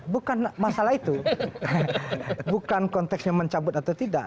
bukan masalah itu bukan konteksnya mencabut atau tidak